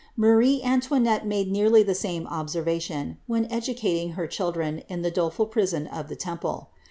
Marie Antoinette made nearly the same observation, when educating her children in the doleful prison o( the Temple.